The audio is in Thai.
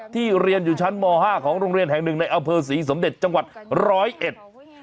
เรียนอยู่ชั้นมห้าของโรงเรียนแห่งหนึ่งในอำเภอศรีสมเด็จจังหวัดร้อยเอ็ด